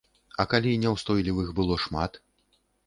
А калі няўстойлівых было шмат?